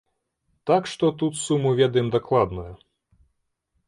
Так што тут суму ведаем дакладную.